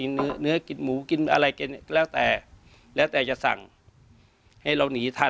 เนื้อกินหมูกินอะไรกินแล้วแต่แล้วแต่จะสั่งให้เราหนีทัน